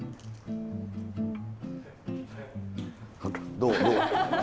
どう？